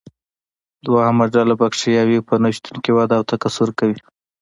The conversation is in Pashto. دوهمه ډله بکټریاوې په نشتون کې وده او تکثر کوي.